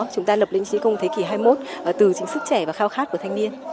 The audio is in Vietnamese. chúng ta lập linh trí công thế kỷ hai mươi một từ chính sức trẻ và khao khát của thanh niên